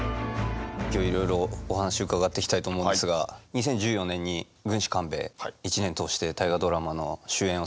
今日いろいろお話伺っていきたいと思うんですが２０１４年に「軍師官兵衛」１年通して「大河ドラマ」の主演をされてるじゃないですか。